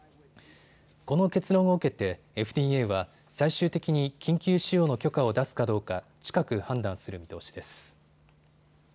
この結論を受けてＦＤＡは最終的に緊急使用の許可を出すかどうか近く判断する見通しです。